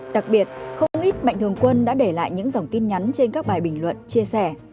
đặc biệt không ít mạnh thường quân đã để lại những dòng tin nhắn trên các bài bình luận chia sẻ